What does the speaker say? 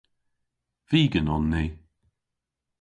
Vegan on ni.